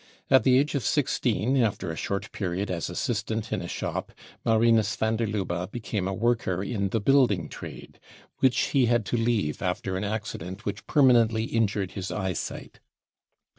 At the * age of sixteen, after a short period as assistant in a shop, Marmus van der Lubbe became a worker in the building trade, whiclfhc had to leave after an accident which perman ently injured iris eyesight.